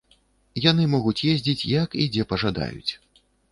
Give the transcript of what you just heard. Яны могуць ездзіць як і дзе пажадаюць.